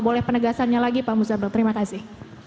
boleh penegasannya lagi pak muzabel terima kasih